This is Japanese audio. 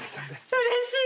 うれしい。